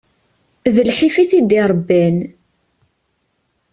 D lḥif i t-id-irebban.